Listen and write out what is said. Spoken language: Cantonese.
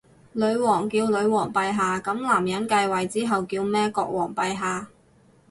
女王叫女皇陛下，噉男人繼位之後叫咩？國王陛下？